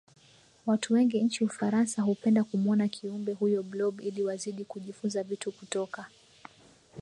Watu wengi nchi Ufarasa hupenda kumuona Kiumbe huyo Blob ili Wazidi kujifunza vitu kutoka